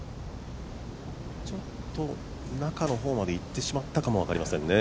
ちょっと中の方までいってしまったかも分かりませんね。